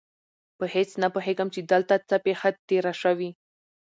په هېڅ نه پوهېږم چې دلته څه پېښه تېره شوې.